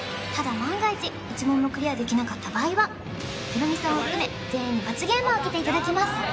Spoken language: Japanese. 万が一１問もクリアできなかった場合はヒロミさんを含めを受けていただきます